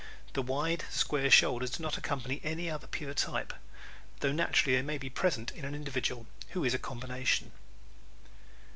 The wide square shoulders do not accompany any other pure type, though naturally they may be present in an individual who is a combination.